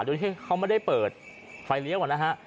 โดยที่เขาไม่ได้เปิดไฟเลี้ยวนะฮะ